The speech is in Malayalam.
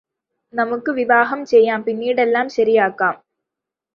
നമുക്ക് വിവാഹം ചെയ്യാം പിന്നീടെല്ലാം ശരിയാക്കാം